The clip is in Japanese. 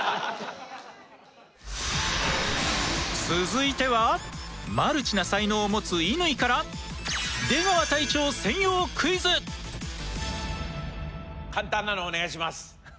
続いてはマルチな才能を持つ乾から簡単なのお願いします。